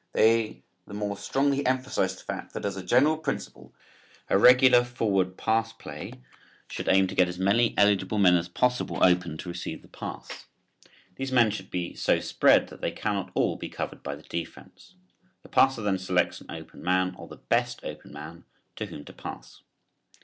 They the more strongly emphasize the fact that as a general principle a regular forward pass play should aim to get as many eligible men as possible open to receive the pass. These men should be so spread that they cannot all be covered by the defense. The passer then selects an open man or the best open man to whom to pass.